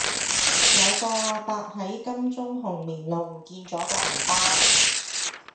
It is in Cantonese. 有個亞伯喺金鐘紅棉路唔見左個銀包